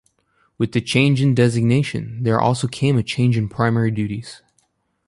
With the change in designation, there also came a change in primary duties.